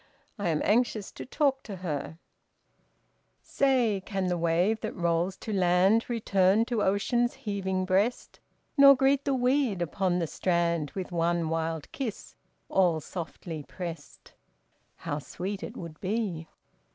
I am anxious to talk to her, Say, can the wave that rolls to land, Return to ocean's heaving breast, Nor greet the weed upon the strand With one wild kiss, all softly pressed. How sweet it would be!"